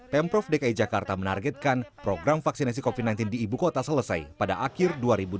pemprov dki jakarta menargetkan program vaksinasi covid sembilan belas di ibu kota selesai pada akhir dua ribu dua puluh